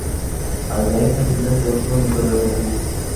آزمائش میں کتنے سرخرو نکل رہے ہیں۔